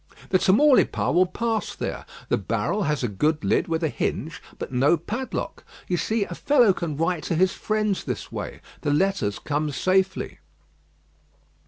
The Tamaulipas will pass there. The barrel has a good lid with a hinge, but no padlock. You see, a fellow can write to his friends this way. The letters come safely."